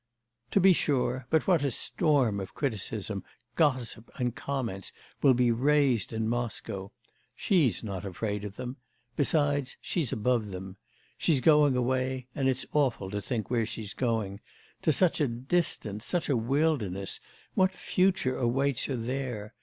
'To be sure. But what a storm of criticism, gossip, and comments will be raised in Moscow! She's not afraid of them.... Besides she's above them. She's going away... and it's awful to think where she's going to such a distance, such a wilderness! What future awaits her there?